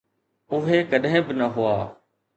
اهي ڪڏهن به نه هئا.